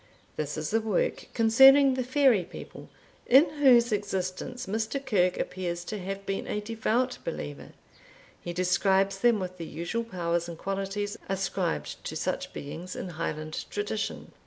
This is a work concerning the fairy people, in whose existence Mr. Kirke appears to have been a devout believer. He describes them with the usual powers and qualities ascribed to such beings in Highland tradition.